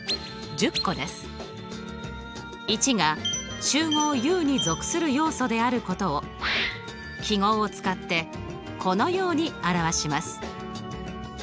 １が集合Ｕに属する要素であることを記号を使ってこのように表します。